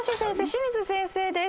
清水先生です。